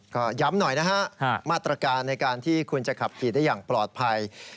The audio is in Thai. ก็ย้ำหน่อยนะฮะมาตรการในการที่คุณจะขับขี่ได้อย่างปลอดภัย